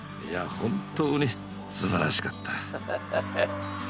いや本当にすばらしかった。